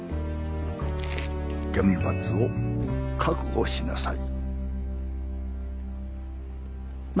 厳罰を覚悟しなさい。